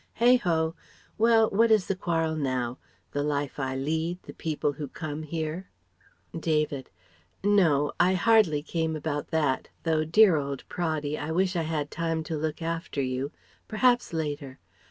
Heigh ho! Well: what is the quarrel now? The life I lead, the people who come here?" David: "No. I hardly came about that; though dear old Praddy, I wish I had time to look after you ... Perhaps later....